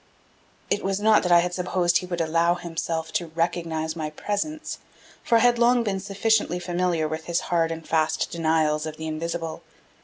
It was not that I had supposed he would allow himself to recognize my presence, for I had long been sufficiently familiar with his hard and fast denials of the invisible.